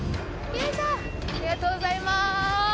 ありがとうございます。